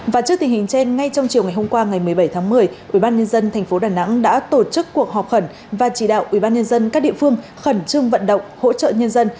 và trước tình hình trên ngay trong chiều ngày hôm qua ngày một mươi bảy tháng một mươi ubnd tp đà nẵng đã tổ chức cuộc họp khẩn và chỉ đạo ubnd các địa phương khẩn trương vận động hỗ trợ nhân dân